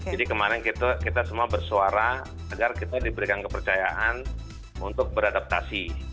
kemarin kita semua bersuara agar kita diberikan kepercayaan untuk beradaptasi